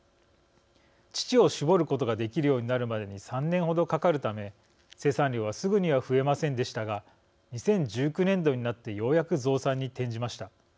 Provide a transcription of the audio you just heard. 乳を搾ることができるようになるまでに３年程かかるため生産量はすぐには増えませんでしたが２０１９年度になってようやく増産に転じました。